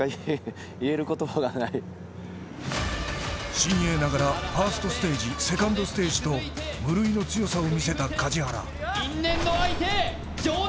親鋭ながらファーストステージ、セカンドステージと無類の強さを見せた梶原。